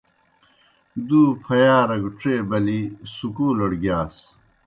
دْو پھیارہ گہ ڇے بلِی سکُولڑ گِیاس۔